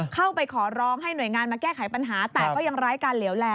เข้าไปขอร้องให้หน่วยงานมาแก้ไขปัญหาแต่ก็ยังไร้การเหลวแล